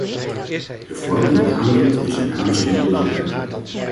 De vorm die het aanneemt en zijn naam zijn niet belangrijk.